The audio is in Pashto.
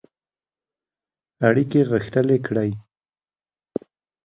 اړیکي غښتلي کړي.